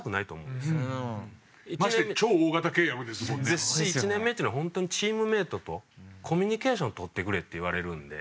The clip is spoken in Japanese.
ですし１年目っていうのはホントにチームメイトとコミュニケーションをとってくれって言われるので。